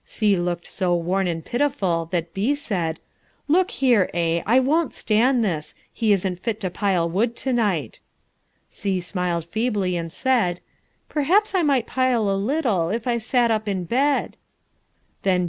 C looked so worn and pitiful that B said, "Look here, A, I won't stand this, he isn't fit to pile wood to night." C smiled feebly and said, "Perhaps I might pile a little if I sat up in bed."